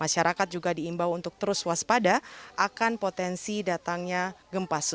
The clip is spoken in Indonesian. masyarakat juga diimbau untuk terus waspada akan potensi datangnya gempa susulan